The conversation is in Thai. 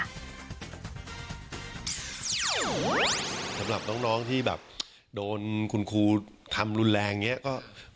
สำหรับน้องที่แบบโดนคุณครูทำรุนแรงอย่างนี้ก็